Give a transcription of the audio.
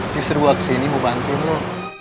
justru gua kesini mau bantuin lo